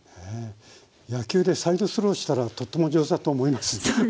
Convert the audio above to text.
野球でサイドスローしたらとっても上手だと思います。